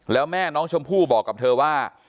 แล้วแม่น้องชมพู่บอกกับเธอว่า